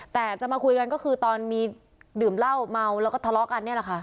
แต่จะมาคุยกันก็คือตอนมีดื่มเหล้าเมาแล้วก็ทะเลาะกันเนี่ยแหละค่ะ